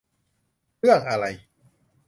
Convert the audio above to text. เรื่องอะไร